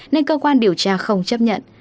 nên cơ quan điều tra không chấp nhận